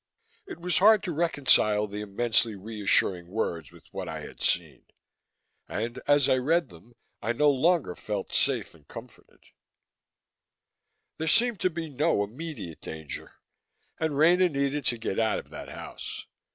It was hard to reconcile the immensely reassuring words with what I had seen. And, as I read them, I no longer felt safe and comforted. There seemed to be no immediate danger, and Rena needed to get out of that house.